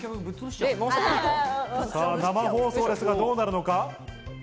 生放送ですが、どうなるのか？